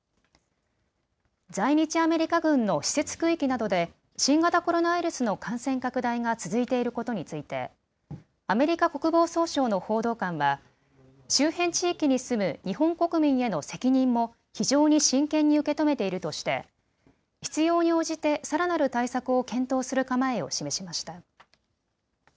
在日アメリカ軍の施設区域などで新型コロナウイルスの感染拡大が続いていることについてアメリカ国防総省の報道官は周辺地域に住む日本国民への責任も非常に真剣に受け止めているとして必要に応じてさらなる対策を検討する構えを示しました。